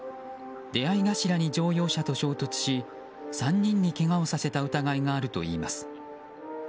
出合い頭に乗用車と衝突し３人にけがをさせた疑いがあるといいます。